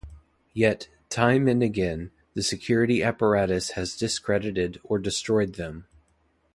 Yet, time and again, the security apparatus has discredited or destroyed them.